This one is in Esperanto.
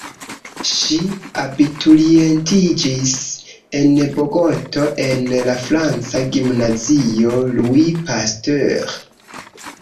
Ŝi abiturientiĝis en Bogoto en la franca gimnazio "Louis Pasteur".